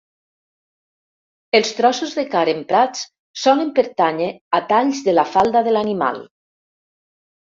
Els trossos de carn emprats solen pertànyer a talls de la falda de l'animal.